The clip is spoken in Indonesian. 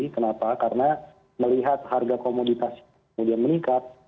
kenapa karena melihat harga komoditas kemudian meningkat